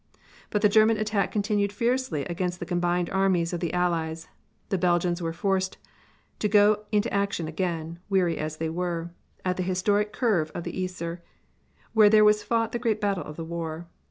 But the German attack continuing fiercely against the combined armies of the Allies, the Belgians were forced to go into action again, weary as they were, at the historic curve of the Yser, where was fought the great battle of the war.